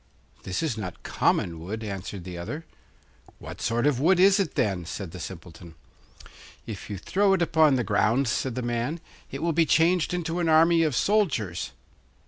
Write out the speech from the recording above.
'This is not common wood,' answered the other. 'What sort of wood is it, then?' said the Simpleton. 'If you throw it upon the ground,' said the man, 'it will be changed into an army of soldiers.